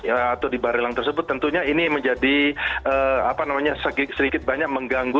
atau di barelang tersebut tentunya ini menjadi sedikit banyak mengganggu